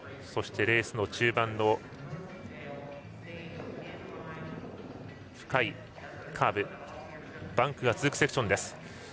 レースの中盤の深いカーブバンクが続くセクションです。